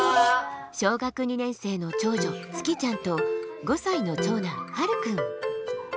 小学２年生の長女つきちゃんと５歳の長男はるくん。